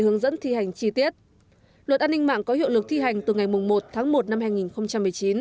hướng dẫn thi hành chi tiết luật an ninh mạng có hiệu lực thi hành từ ngày một tháng một năm hai nghìn một mươi chín